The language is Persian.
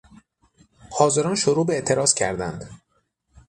حاضران شروع به اعتراض کردند.